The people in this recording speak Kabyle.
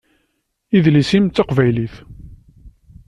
Idles-im d taqbaylit.